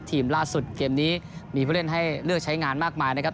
ทีมล่าสุดเกมนี้มีผู้เล่นให้เลือกใช้งานมากมายนะครับ